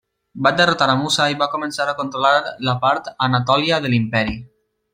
Va derrotar a Musa i va començar a controlar la part Anatòlia de l'imperi.